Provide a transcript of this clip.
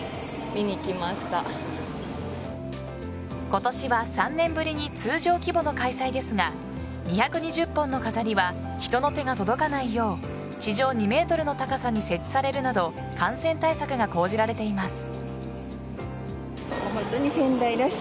今年は３年ぶりに通常規模の開催ですが２２０本の飾りは人の手が届かないよう地上２ｍの高さに設置されるなど感染対策が講じられています。